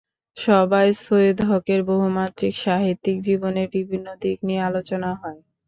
সভায় সৈয়দ হকের বহুমাত্রিক সাহিত্যিক জীবনের বিভিন্ন দিক নিয়ে আলোচনা হয়।